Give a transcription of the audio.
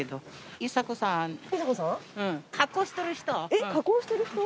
えっ加工してる人？